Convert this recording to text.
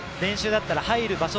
練習だったら入る場所。